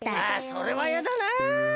それはやだな。